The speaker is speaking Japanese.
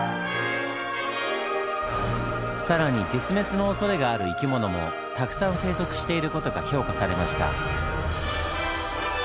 更に絶滅のおそれがある生き物もたくさん生息している事が評価されました。